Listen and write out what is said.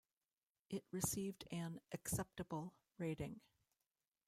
It received an "acceptable" rating.